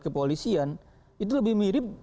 kepolisian itu lebih mirip